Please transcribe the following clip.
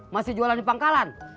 masih jualan di pangkalan